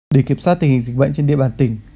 để kiểm soát tình hình dịch bệnh trên địa bàn tỉnh